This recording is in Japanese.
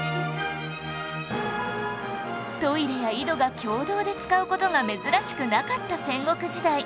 トイレや井戸が共同で使う事が珍しくなかった戦国時代